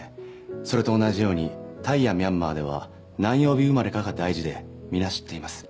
それと同じようにタイやミャンマーでは何曜日生まれかが大事で皆知っています